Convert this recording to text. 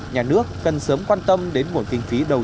nhà nước cần sớm thay đổi điện mạo của các vùng nông thôn nghèo